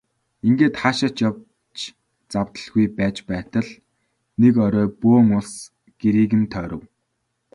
Ингээд хаашаа ч явж завдалгүй байж байтал нэг орой бөөн улс гэрийг нь тойров.